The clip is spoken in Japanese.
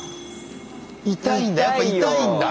痛いんだ！